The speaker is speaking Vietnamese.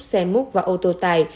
xe múc và ô tô tài